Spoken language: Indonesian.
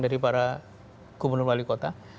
dari para gubernur wali kota